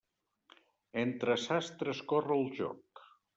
Entre sastres corre el joc.